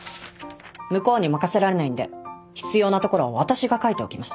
向こうに任せられないんで必要な所は私が書いておきました。